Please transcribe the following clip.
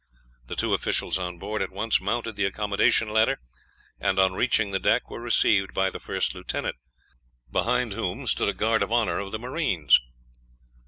The two officials on board at once mounted the accommodation ladder, and on reaching the deck were received by the first lieutenant, behind whom stood a guard of honor of the marines.